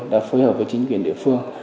đã phối hợp với chính quyền địa phương